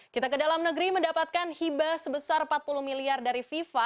kita ke dalam negeri mendapatkan hibah sebesar empat puluh miliar dari fifa